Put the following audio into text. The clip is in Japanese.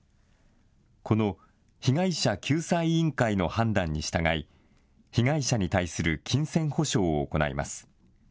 この被害者救済委員会の判断に従い、被害者に対する金銭補償を行います。